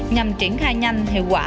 nhằm triển khai nhanh hiệu quả